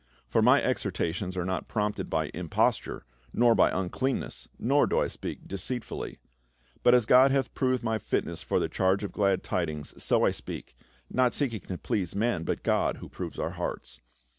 For my exhortations are not prompted by imposture, nor by uncleanness, nor do I speak deceitfully.* But as God hath proved my fitness for the charge of the glad tidings, so I speak, not seeking to please men, but God, who proves our hearts.